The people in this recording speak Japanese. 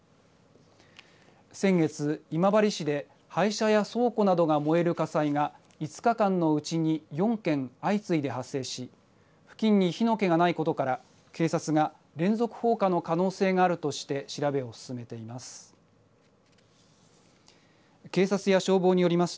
先月、今治市で廃車や倉庫などが燃える火災が５日間のうちに４件相次いで発生し付近に火の気がないことから警察が連続放火の可能性があるとして調べを進めています。